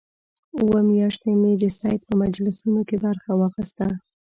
اووه میاشتې مې د سید په مجلسونو کې برخه واخیسته.